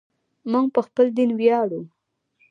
موږ په خپل دین ویاړو.